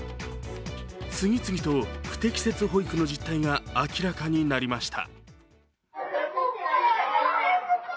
次々と不適切保育の実態が明らかになりました。